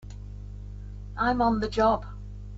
I'm on the job!